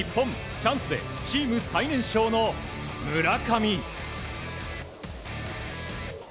チャンスでチーム最年少の村上。